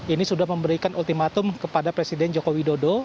ini sudah memberikan ultimatum kepada presiden joko widodo